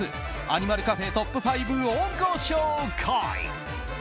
アニマルカフェトップ５をご紹介。